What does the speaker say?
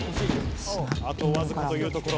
あと僅かというところ。